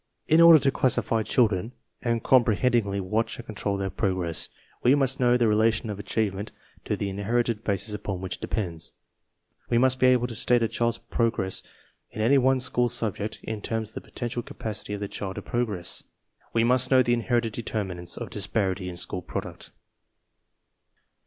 In order to classify children and comprehendingly watch and control their progress, we must know the relation of achievement to the in herited bases upon w£5K ITdepends. We must be able to state a child's progre ss in any one schoo^subject in terms of the potential capacity of the child To progress. We must know the inherited determinants of disparity in school product.